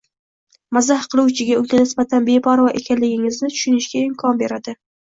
mazax qiluvchiga unga nisbatan beparvo ekanligingizni tushunishiga imkon beradi.